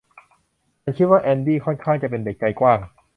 ฉันคิดว่าแอนดี้ค่อนข้างจะเป็นเด็กใจกว้าง